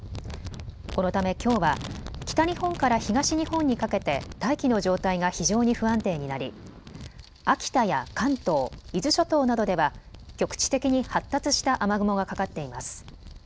このため、きょうは北日本から東日本にかけて大気の状態が非常に不安定になり秋田や関東、伊豆諸島などでは局地的に発達した雨雲がかかっています。